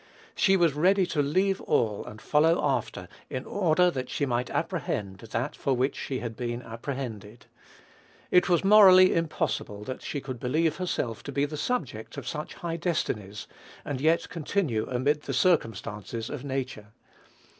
She was ready to leave all and follow after, in order that she might apprehend that for which she had been apprehended. It was morally impossible that she could believe herself to be the subject of such high destinies, and yet continue amid the circumstances of nature.